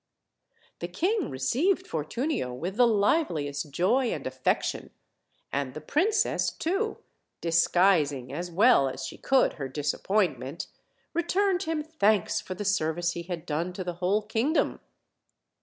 The king received Fortunio with the liveliest joy and affection, and the princess, too, disguising as well as she could her disappointment, returned him thanks for the service he had done to the whole kingdom.